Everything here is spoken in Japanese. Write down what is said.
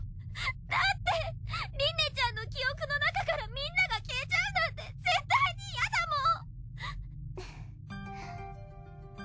だってりんねちゃんの記憶の中からみんなが消えちゃうなんて絶対に嫌だもん。